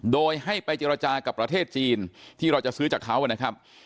โดยให้ไปเจรจากับประเทศจีนที่เราจะซื้อจากเขานะครับ